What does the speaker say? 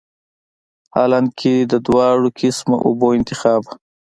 حالانکه د دواړو قسمه اوبو انتخاب